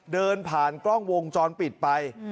เดินผ่านกล้องวงจรปิดไป